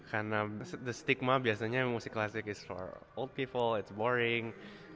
karena stigma biasanya musik klasik untuk orang tua itu membosankan